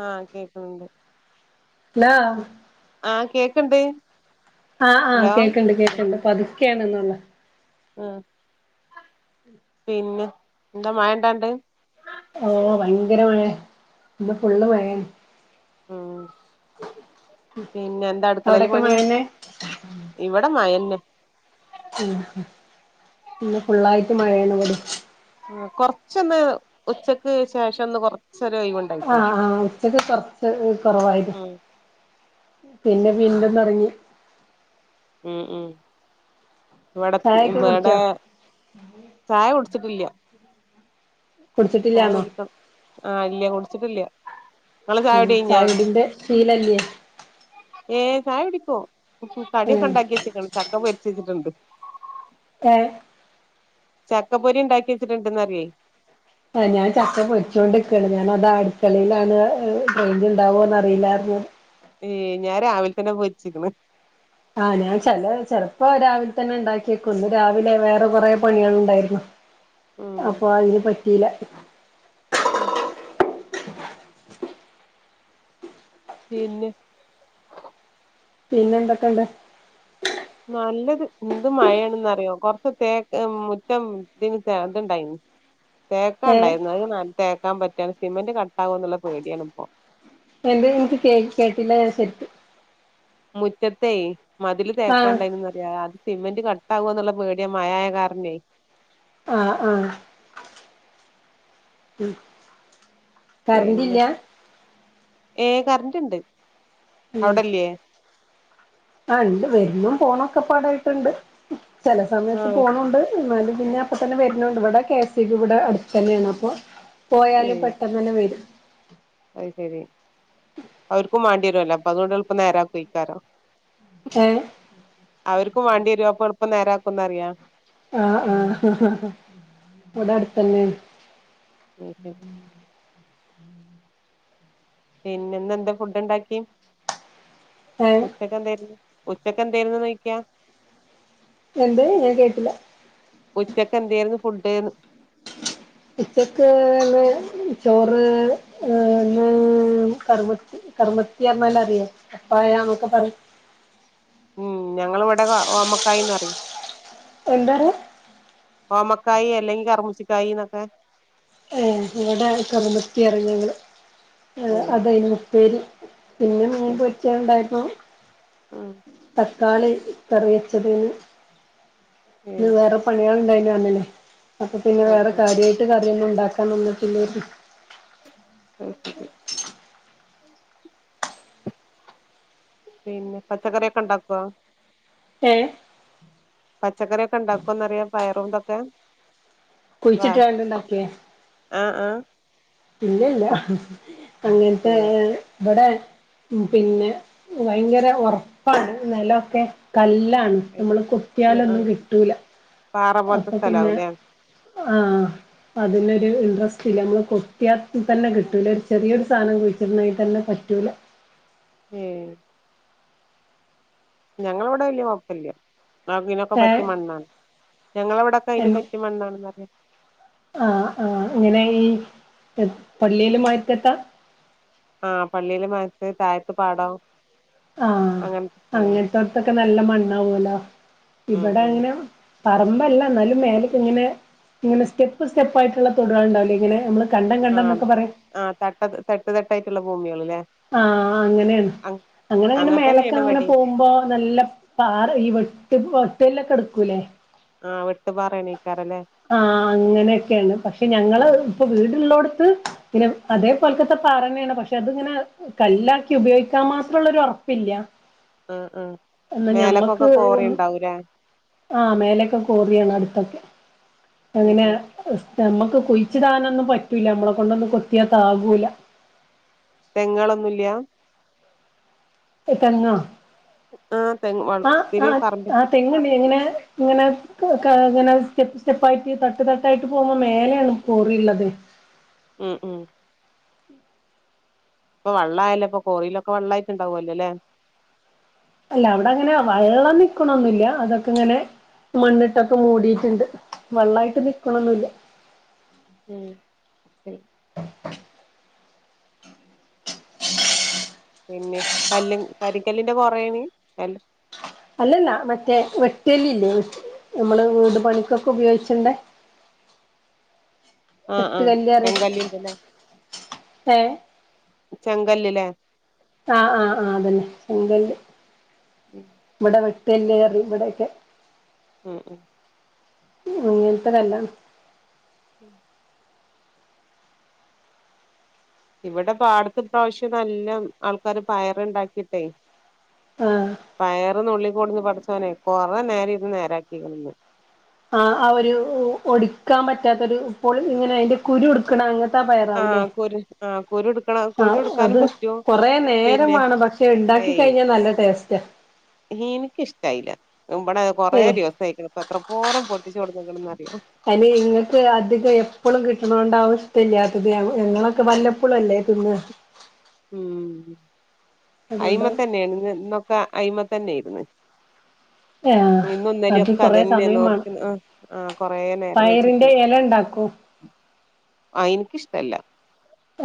ആഹ് കേക്ക്‌ണ് ണ്ട് hello ആഹ് കേക്ക്‌ണ്ട് ആഹ് ആഹ് കേക്ക്‌ണ്ട് കേക്ക്‌ണ്ട് പതുക്കേണ് ന്നൊള്ളു ആഹ് പിന്നെ എന്താ മഴണ്ടാ ആണ്ട് ഓ ഭയങ്കര മഴെ ഇന്ന് ഫുള്ള് മഴെണ് ഉം പിന്നെ അവ്ടൊക്കെ മഴന്നെ ഇവടെ മഴെന്നെ ഉം ഹും ഇന്ന് ഫുള്ളായിട്ട് മഴേണ് ഇവടിം ഉം കൊറച്ചൊന്ന് ഉച്ചക്ക് ശേഷം ഒന്ന് കൊറച്ചൊര് ഒയ്വ്ണ്ട് ആഹ് ആഹ് ഉച്ചക്ക് കൊർച്ച് കൊറവായിനി ഉം പിന്നെ വീണ്ടും തൊടങ്ങി ഉം ഉം വടെ ഇവടെ ഞാ [unintelligible] ചായ കൊട്ത്ത്ട്ടില്ല്യ ചായ കുടിച്ചിട്ടില്ലാന്നോ കുടിക്കണം ആഹ് ഇല്ല്യ കുടിച്ചിട്ടില്ല്യ ഇങ്ങള് ചായ ഉം കുടിഴിഞ്ഞ ചായുടിന്റെ ശീലല്ലേ ഏഹ് ചായ കുടിക്കും ഉം കടിയൊക്കെ ഉണ്ടാക്കി വെച്ചെക്കണ് ചക്ക പൊരിച്ച വച്ചിട്ടുണ്ട് ഏഹ് ചക്കപ്പൊരി ഉണ്ടാക്കി വെച്ചിട്ടുണ്ടെന്ന് അറിയെ ആഹ് ഞാൻ ചക്ക പൊരിച്ചൊണ്ടിരിക്കയാണ് ഞാന അത് അടുക്കളിയിലാണ് റേഞ്ച് ഉണ്ടാവോന്ന്റിയില്ലാറഞ്ഞത് ഏഹ് ഞാൻ രാവിലെ തന്നെ പോരിച്ചിക്കണ് ആഹ് ഞാൻ ചില ചെിലപ്പോ രാവിലെ തന്നെ ഉണ്ടാക്കിയേക്കുംന്ന് രാവിലെ വേറെ കൊറെേ പണികള് ഉണ്ടായിരുന്നു ഉം അപ്പൊ അതിന് പറ്റിയില്ല ഉം പിന്നെ പിന്നെ എന്തൊക്കെണ്ട് നല്ലത് എന്ത് മഴയാണെന്നറിയോ കൊറച്ച തേക്ക് മുറ്റം ഇതിന് ഇത്ണ്ടായിന് ഏഹ് തേക്കാണ്ടായിരുന്നു അത് ന തേക്കാൻ പറ്റാണ് സിമെന്റ് കട്ടാകും എന്നുള്ള പേടിയാണ് ഇപ്പോ എന്താ എനിക്ക് കേ കേട്ടില്ല ഞാൻ ശരിക്ക് മുറ്റത്തേ മതില് ആഹ് തേക്കാണ്ടതിനനന്നറിയ അത് സിമെന്റ് ക ട്ടവുവോ എന്നുള്ള പേടിയ മയായ കാർണേ ആഹ് ആഹ് ഉം പിന്നെ കറണ്ടില്ല ഏഹ് കറന്റ് ഉണ്ട് ഉം അവിടില്ല്യ ആഹ് ഉണ്ട് വരുന്നും പോണൊക്കെ പാടായിട്ടുണ്ട് ചില സമയത്ത് ആഹ് പോണുണ്ട് ന്നാല് പിന്നെ അപ്പൊ തന്നെ വരുന്നണ്ട് ഇവിടെ കേ സക്ക് ഇവിടെ അടുതന്നെയാണ് അപ്പൊ ഏ പോയാലും പെട്ടെന്ന് തന്നെ വരും അത് ശെരി അവർക്കും വേണ്ടി വരുവല്ലോ അപ്പൊ അതുകൊണ്ട് എളുപ്പം നേരയിക്കാരോ ഏഹ് അവർക്കും വണ്ടി വരുവപ്പ എളുപ്പം നേരാക്കുംന്ന് അറിയാം ആഹ് ആഹ് ഇവിടെ അടുത്തന്നെ ഉം ഉം പിന്നെന്ന് എന്താ ഫുഡ് ഉണ്ടാക്കി ഏഹ് ച്ചയ്ക്ക് എന്തായിരുന്നു ഉച്ചക്ക് എന്തായിരുന്നു ചോദിക്ക്യ എന്ത് ഞാൻ കേട്ടില്ല ഉച്ചക്കെന്തായിരുന്നു ഫുഡ്ന്ന് ഉച്ചക്ക്ന്ന് ചോറ് ന്ന കറവ കർമ്മത്തി പറഞ്ഞാല അറിയോ അപ്പായനക്കെ പറ ഞങ്ങള് ഇവിടെ ഓമക്കായന്ന്റയും എന്തറയ ഓമക്കായി അല്ലെങ്കി കറമുശിക്കായി എന്നൊക്കെ ഏഹ് ഇവിടെ കറുമത്തി ഇറഞ്ഞൾ ഉം അതാ ഇന്ന് ഉപ്പേരി പിന്നെ മീൻ പൊരിച്ചെ ഇണ്ടായിരുന്നു ഉം കതക്കാളി കറി വെച്ചതിന് ഇന്ന് ഉം വേറെ പണികാള് ഉണ്ടായി പറഞ്ഞില്ലേ അപ്പൊ പിന്നെ ആഹ് വേറെ ആഹ് കാര്യമായി മായിട്ട് കറികൾ ഉണ്ടാക്കാൻ നിന്നിട്ടില്ലായിരുന്നു ഓക്കെ പിന്നെ പച്ചക്കറിയൊക്കെ ഒണ്ടാക്കൊ ഏഹ്.., പച്ചക്കറിയൊക്കെ- ഇണ്ടാക്കോന്നറിയാ, പയറും ഇതൊക്കെ. വാ കുഴിച്ചിട്ടാ ഇണ്ടിണ്ടാക്കിയെ. ആഹ്, ആഹ്, ഇല്ല, ഇല്ല, അങ്ങനത്തെ ഉം ഇവടെ- ഉം, പിന്നെ ഭയങ്കര ഒറപ്പാണ്. നെലൊക്കെ കല്ലാണ്. നമ്മള് ആഹ് ആഹ് കുത്തിയാലൊന്നും- കിട്ടൂല പാറ പോലത്തെ അപ്പ പിന്നെ, സ്ഥലാവൂല്ലേ ആഹ് അതിനൊരു ഉം ഇൻട്രസ്റ്റില്ല, നമ്മള് കൊ- കൊത്തിയ തന്നെ കിട്ടൂല്ല, ഒരു ചെറിയൊരു സാധനം- കുഴിച്ചിടണേങ്കി തന്നെ പറ്റൂല്ല. ഏഹ്.., ഞങ്ങളിവിടെ വല്യ കൊഴപ്പില്ല. നാഗിനൊക്കെ പറ്റി ഏഹ് മണ്ണാണ്- ഞങ്ങളിവട. അയ്ന് എന്നെ പറ്റിയ- മണ്ണാണെന്നറിയാം. ആഹ്, ആഹ്, ഇങ്ങനെ ഈ- പള്ളിയിലും മൊയ്റ്റത്ത. ആഹ്, പള്ളിയില് മാത്ത്-താഴത്ത് പാടം. ആഹ്, അങ്ങനത്തെ സ്ഥലാണ് അങ്ങനത്തോടത്തൊക്കെ നല്ല- മണ്ണാവൂലോ? ഉം ഇവടെ ഉം അങ്ങന- പറമ്പല്ല, എന്നാലും മേലക്ക്- ഇങ്ങനെ, ഇങ്ങനെ, സ്റ്റെപ്പ്, സ്റ്റെപ്പായിട്ടുള്ളതോട്കള്, ഇണ്ടാവില്ലേ? ഇങ്ങനെ നമ്മള്- കണ്ടം, കണ്ടം ആഹ് എന്നൊക്കെ പറയും. ആഹ്.., തട്ട്, തട്ട്, തട്ടായിട്ടുള്ള- ഭൂമികളലേ? ആഹ്.., അങ്ങനെയാണ്. അങ്ങനെ, അങ്ങനെ, മേലൊക്കെ തന്നെയാണ് അങ്ങനെ ഇവടിം പോവുമ്പോ നല്ല- പാറ ഈ വെട്ട്, വെട്ടല്ലൊക്കെ- എടുക്കൂല്ലേ? ആഹ് വെട്ടുപാറയണീക്കാറല്ലേ? ആഹ്.., അങ്ങനെയൊക്കെയാണ്. പക്ഷെ ഞങ്ങള് ഇപ്പോ വീടുള്ളോടത്ത്- പിന്നെ, അതേ പോൽക്കത്തെ- പാറന്നേണ് പക്ഷെ, അതിങ്ങനെ- കല്ലാക്കി ഉപയോഗിക്കാൻ- മാത്രൊള്ളൊരു ഒറപ്പില്ല. ഉം, ഉം, മേലക്കൊക്കെ- കോറിയിണ്ടാവുല്ലേ? ആഹ്, മേലേക്കെ കോറിയാണ്- അടുത്തൊക്കെ. ഉം അങ്ങനെ ഉം നമ്മുക്ക്- കുയ്ച്ചിടാനൊന്നും പറ്റൂല. നമ്മളെ കൊണ്ടൊന്നും കൊത്തിയ താങ്ങ്ല്ല. തെങ്ങളൊന്നും ഇല്ല. തെങ്ങോ? ആഹ് തെങ്ങ് ആഹ്, വളപ്പില് ആഹ് പറമ്പ് ആഹ്, തെങ്ങണ്ട്. ഇങ്ങനെ, ഇങ്ങനെ- ഇങ്ങനെ സ്റ്റെപ്പ്, സ്റ്റെപ്പായിട്ട്, തട്ട്- തട്ടായിട്ട്, പോമ്പോ മേലെയാണ്- കോറി ഇള്ളത്. ഉം, ഉം.., ഇപ്പ വെള്ളായാലേ, ഇപ്പ- കൊറീലൊക്കെ- വെള്ളായിട്ടിണ്ടാവുല്ലോ, അല്ലെ? അല്ല അവിടെ അങ്ങനെ വെള്ളം- നിക്കണൊന്നൂല്ല അതൊക്കെ- ഇങ്ങനെ- മണ്ണിട്ടൊക്കെ മൂടിട്ടിണ്ട്. വെള്ളായിട്ട് നിക്കണൊന്നുല്ല. ഉം.., [unintelligible] പിന്നെ കല്ല്, കരിക്കല്ലിന്റെ- കോറയാണി കല്ല്. അല്ലല്ലാ, മറ്റേ വെട്ട് കല്ലില്ലേ? നമ്മള് വീട് പണിക്കൊക്കെ- ഉപയോഗിച്ചണ്ട. [inaudible] വെട്ട് ആഹ് കല്ല്റയ്, ചെങ്കല്ലിന്റെല്ലേ ഏഹ്.., ചെങ്കല്ല്ല്ലേ? ആഹ്, ആഹ്, ആഹ്, അതന്നെ. ചെങ്കല്ല്. ഇവിടെ വെട്ട്കല്ല്റയും, ഇവിടെയെക്കെ. ഉം, ഉം, അങ്ങനത്തെ കല്ലാണ്. ഉം.., ഇവടെ പാടത്ത് ഇപ്രാശ്യം നല്ലം ആൾക്കാര് പയറുണ്ടാക്കീട്ടെ ആഹ് പയറ് നുള്ളി കൊട്ന്ന് പറിച്ചോനെ കൊറേ നേരം ഇര്ന്ന് നേരാക്കിളന്ന് ആഹ് ആഹ് ഒരു ഒടിക്കാൻ പറ്റാത്തൊരു ഇപ്പോൾ ഇങ്ങനെ അതിന്റെ കുരു ഇടുക്കണം അങ്ങ ആഹ് കുര് ആഹ് അത് കൊറെ പിന്നെ നേരമാണ് പക്ഷെ ണ്ടാക്കി കഴിഞ്ഞാ നല്ല ടേസ് റ്റാ ഇൻക്ക് ഇഷ്ട്ടായില്ല ഇവടെ കൊറെ ഏഹ് ദിവസം ആയിക്ക്ണ് പത്ര പോരം പൊട്ടിച്ചു കൊടുന്ന്ക്കണറിയോ അയ്ന് ഇങ്ങൾക്ക് അധികം എപ്പളും കിട്ട്ണതോണ്ടാവും ഇഷ്ട്ടല്ലാത്തത് അ ഞങ്ങളൊക്കെ വല്ലപ്പോളല്ലെ തിന്ന ഉം അയിമ അതുകൊണ്ടാവും തന്നെയാണ് ഇന്നൊക്കെ അയിമ തന്നെയായിര്ന്ന് ആഹ് ഇന്നും ഇന്നലെ അത് ഒക്കെ കൊറേ അതന്നെ സമയം വേണം നോർക്ക ആഹ് കൊറെ നേരം വെച്ചിട്ട് പയറിന്റെ എല ഉണ്ടാക്കും ആഹ് എനിക്കിഷ്ട്ടല്ല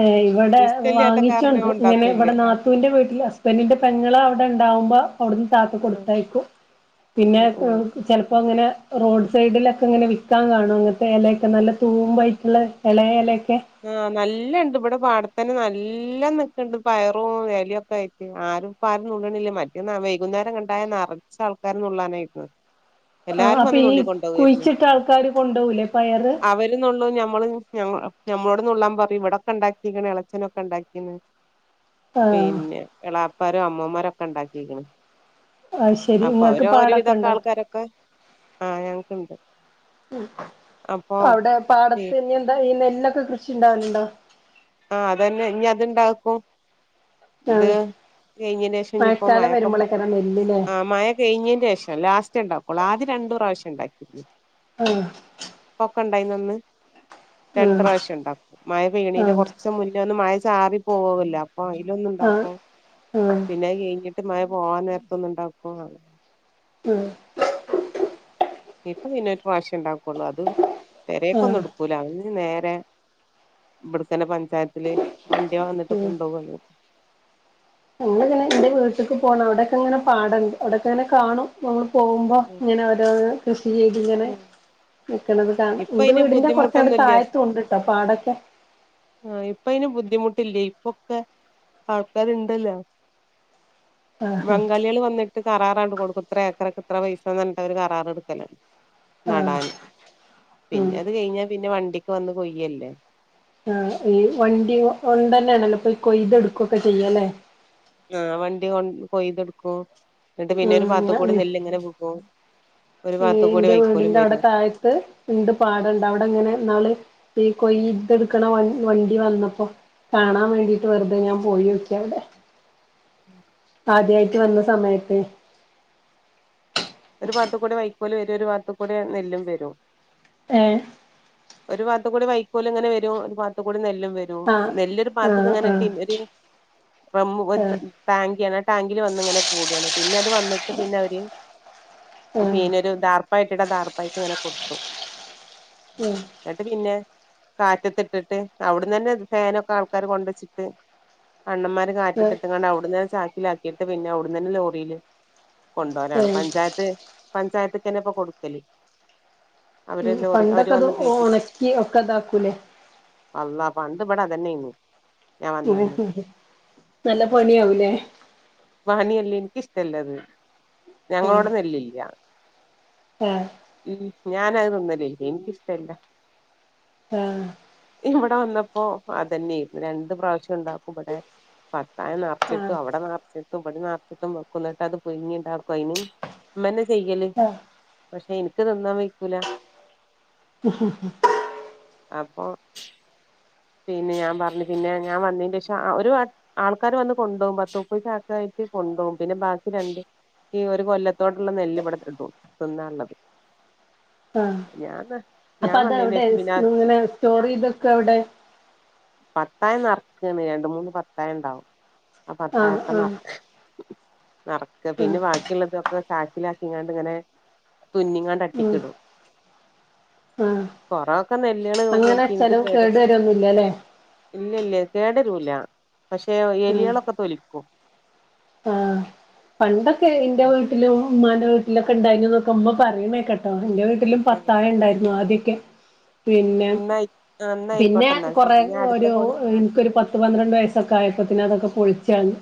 ഏഹ് ഇവിടെ കാരണം ഞാൻ വാങ്ങിച്ചുണ്ട് ഇങ്ങനെ ഉണ്ടാക്കൂല്ല ഇവിടെ നാ ത്തൂന്റെ വീട്ടിൽ ഹസ്ബൻഡിന്റെ പെങ്ങൾ അവിടെണ്ടഉമ്പോ അവിടുന്ന് താത്ത ആഹ് കൊടുത്തയക്കും പിന്നെ ആഹ് ആഹ് ചെലപ്പോങ്ങനെ റോഡ് സൈഡിലൊക്കെ ഇങ്ങനെ വിൽക്കാൻ കാണും അങ്ങൻത്തെ എലയൊക്കെ നല്ല തൂമ്പായിട്ടുള്ള ഇളയ ഇലയൊക്കെ ആഹ് നല്ല ഇണ്ട് ഇവിടെ പാടത്തന്നെ നല്ല നിക്ക്ണ്ട് പയറും എലയും ഒക്കെ ആയി റ്റ് ആരുംപ്പ ആരും നുള്ള്ണില്ല മറ്റേ വൈകുന്നേരങ്ങട്ടായ നറച്ച് ആൾക്കാര് നുള്ളാനായിരിക്കും [inaudible] ആഹ് അപ്പോ ഈ കുഴിച്ചിട്ട ആൾക്കാര് കൊണ്ടോവൂലെ പയറ് അവരും നുള്ളും നമ്മളും ഞങ്ങ ഞമ്മളോട് നുള്ളാൻ പറയും ഇവിടക്കെ ഉണ്ടാക്കീക്ക്ണ് ഇളച്ചനൊക്കെ ഉണ്ടാക്കിന്ന് ആഹ് പിന്നെ എളാപ്പാരും അമ്മോന്മാരൊക്കെ ണ്ടാക്കിക്ക്‌ണ് അത് ശെരി അപ്പോ ഇങ്ങക്ക് അവര് ഒരു പാടൊക്കെ വിധൊക്കെ ഇണ്ടോ ആൾക്കാരൊക്കെ ആഹ് ഞങ്ങൾക്ണ്ട് ഉം അവിടെ പാടത്ത് ഇനിഎന്താ ഈ നെല്ലൊക്കെ കൃഷിണ്ടാവൽണ്ടോ ആഹ് അതന്നെ ഇനി അത്ണ്ടാകും ഇത് ആഹ് കഴിഞ്ഞീനേഷം ഞ്ഞിപ്പോ മഴക്കാലം മഴക്കെ വരുമ്പളേക്കാരം നെല്ല് ല്ലേ ആഹ് മഴ കഴിഞ്ഞീന്റെഷം ലാസ്റ്റ് ണ്ടാക്കളൂ ആദ്യ രണ്ടൂ പ്രാവശ്യം ണ്ടാക്കിരുന്നു ആഹ് ഇപ്പൊക്കെ ഇണ്ടായിഞന്ന് രണ്ട് ആഹ് പ്രാശ്യം ഉണ്ടാക്കും മഴ പെയ്യണീന്റെ ആഹ് കുറ ച്ച മുന്നേ ഒന്ന് മഴ ചാറി പോവോല്ലോ അപ്പോ ആഹ് അയ്ലൊന്നുണ്ടാക്കും ആഹ് പിന്നെ അത് കഴിഞ്ഞിട്ട് മഴ പോകാൻ നേരത്ത് ഒന്ന് ഉണ്ടാക്കും ഉം ഇപ്പ പിന്നെരു പ്രാവശ്യം ണ്ടാക്കുള്ളു അത് പേരീക്കന്നെടു ആഹ് ക്കൂല അത്‌ ഞ് നേരെ ഇവിടുത്തന്നെ പഞ്ചായത്തില് വണ്ടി വന്നിട്ട് കൊണ്ടോവൊള്ളൂ ഞങ്ങൾ ഇങ്ങനെ എന്റെ വീട്ടിക്ക് പോണ അവിടൊക്കെങ്ങനെ പാടണ്ട് അവിടെക്കെങ്ങനെ കാണും നമ്മള് പോഉമ്പോ ഇങ്ങനെ ഓരോന്ന് കൃഷി ചെയ്ത് ഇങ്ങനെ നിക്കണത് കാണ ഇപ്പൊ ന്റെ അയിന് വീടിന്റെ കുറച്ചട ബുദ്ധിമുട്ടൊന്നുല്ല താഴത്തും ഉണ്ട് ട്ടോ പാടൊക്കെ ആഹ് ഇപ്പ അയ്ന് ബുദ്ധിമുട്ടില്ലേയ് ഇപ്പൊക്കെ ആൾക്കാരുണ്ടല്ലോ [inaudible] ആഹ് ബംഗാളികൾ വന്നിട്ട് കറാറാണ്ട് കൊടുക്കും ഇത്ര ഏക്കറക്ക് ഇത്ര പൈസ പറഞ്ഞിട്ടാ കരാറട്ക്കല ആഹ് ഉം പിന്നത് കഴിഞ്ഞാ പിന്നെ വണ്ടിക്ക് വന്ന് കൊയ്യല്ലെ ആഹ് ഈ വണ്ടി കൊണ്ടന്നെണല്ലോ ഇപ്പൊയ് കൊയ്തടുക്കൊക്കെ ചെയ്യല്ലെ? ആഹ് വണ്ടി കൊ കൊയ്തെടുക്കും എന്നിട്ട് പിന്നെ ഒരു പാത്ത് കൂടി ഉം നെല്ല് ഇങ്ങനെ വികും ഒരു പാത്തു കൂടി വൈക്കോലും വരും ആത്ത് ഉണ്ട് പാടൊണ്ട് അവിടെങ്ങനെ ഇന്നാള് ഈ കൊയ്തെടുക്കണ വണ്ട് വണ്ടി വന്നപ്പോ കാണാൻ വേണ്ടീട്ട് വെറുതെ ഞാൻ പോയിയോക്കി അവിടെ ഉം ആദ്യായിട്ട് വന്ന സമയത്ത് ഒരു ഭാഗത്ത് കൂടെ വൈക്കോല് വരും ഒരു ഭാഗത്ത് കൂടെ നെല്ലും വരും ഏഹ് ഒരു ഭാഗത്ത്കൂടെ വൈക്കോല് ഇങ്ങനെ വരും ഒരുഭാഗത്ത് കൂടെ നെല്ലും വരും. ആഹ് ഒരു നെല്ലൊരു പാത്തക്ക് ആഹ് ഇങ്ങനെ ആഹ് ഇട്ട് ഒരു റെമ്മ് പോലത്തെ. ആഹ് ടാങ്കിയ ആണ് ആഹ് ടാങ്കില് വന്നിങ്ങനെ കൂടുവാണ് പിന്നെ അത് വന്നിട്ട് പിന്നെ അവര് ആഹ് പിന്നെ ഒരു ദാർപ്പയിട്ടിട്ട് ദാർപ്പായക്ക് ഇങ്ങനെ കൊട്ടും. ആഹ് എന്നിട്ട് പിന്നെ. കാറ്റത്ത് ഇട്ടിട്ട് അവിടുന്ന് തന്നെ ഫാനൊക്കെ ആൾക്കാര് കൊണ്ട് വെച്ചിട്ട്. അണ്ണൻമാര് ആഹ് കാറ്റത്തിട്ട്കാണ്ട് അവിടന്ന് ചാക്കിലാക്കിയിട്ട് പിന്നെ അവിടന്ന് തന്നെ ലോറിയില്. കൊണ്ടരാണ് ഏഹ് പഞ്ചായത്ത് പഞ്ചായത്ത്ക്കന്നെ ഇപ്പൊ കൊടുക്കല്. അവര് ലോറി അവര് പണ്ടൊക്കെ അത് വന്ന് കയറ്റി ഉണക്കി ഒക്കെ അതാക്കൂല്ലേ. അള്ളാ പണ്ട് ഇവടെ അതന്നെ ആന്നു നല്ല പണിയാവൂലേ. വാനിയല്ലേ എനിക്ക് ഇഷ്ടല്ലത് ഞങ്ങളോടെ നെല്ലില്ല. ഉം ഉം ഞാനത്‌ തിന്നലില്ല എനിക്കിഷ്ടല്ല. ആഹ് ഇവിടെ വന്നപ്പോ അതന്നെയിന്നു രണ്ട് പ്രാവശ്യം ഉണ്ടാക്കും ഇവിടെ. പത്തായം നിറച്ചിട്ടും ആഹ് അവിടെ നിറച്ചിട്ടും ഇവിടി നിറച്ചിട്ടും വെക്കുന്നിട്ട് അത് പുഴങ്ങി ഉണ്ടാക്കും അയിന്. അമ്മന്നെ ചെയ്യല് ആഹ് പക്ഷെ എനിക്ക് തിന്നാൻ വയ്ക്കൂല. [unintelligible] അപ്പൊ പിന്നെ ഞാൻ പറഞ്ഞു പിന്നെ ഞാൻ വന്നതിന്റെ ശേഷം ഒരു വ ആൾക്കാര് വന്ന് കൊണ്ടോകും പത്ത് മുപ്പത് ചാക്ക് ആയിട്ട് കൊണ്ടുപോകും പിന്നെ ബാക്കി രണ്ട് ഈ ഒരു കൊല്ലത്തോടുള്ള നെല്ല് ഇവിടെ കിട്ടും തിന്നാ ഉള്ളത്. ആഹ് അപ്പൊ അത് എവിടെ ശേഷം പിന്നെ ഇങ്ങനെ സ്റ്റോറ്ചെയ്തൊക്കെ എവിടെ പത്തായം നെറക്കാണ് രണ്ട് മൂന്ന് പത്തായം ഉണ്ടാവും ആഹ് പത്തായം ഒക്കെ നെറക്ക നെറക്കാ ഉം പിന്നെ ബാക്കിയുള്ളതൊക്കെ. ചാക്കിലാക്കിയാണ്ട് ഇങ്ങനെ തുന്നിങ്ങാണ്ട് ഉം അട്ടിക്കിടും. ആഹ് കൊറയൊക്കെ നെല്ലുകള് [unintelligible] ന്നുലാല്ലേ ഇല്ല ഇല്ല കേട് വരൂല പക്ഷെ ഉം എലികളൊക്കെ തൊലിക്കും. ആഹ് പണ്ടൊക്കെ എന്റെ വീട്ടിലും ഉമ്മാന്റെ വീട്ടിലും ഒക്കെ ഉണ്ടായിരുന്നു എന്നൊക്കെ ഉമ്മ പറേണ കേക്കാം എന്റെ വീട്ടിലും പത്താഴ ഉണ്ടായിരുന്നു ആദ്യൊക്കെ. പിന്നെ ന്നായി ആഹ് പിന്നെ ന്നായിക്കോട്ടെ എന്നാൽ കൊറേ ശരി ഞാൻ അടുത്ത ഒരു കോള് എനിക്കൊരു പത്ത് പന്ത്രണ്ട് വയസ് ക്കായപ്പൊത്തിന് അതൊക്കെ പൊളിച്ച് കളഞ്ഞ്